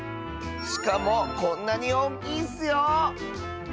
しかもこんなにおおきいッスよ！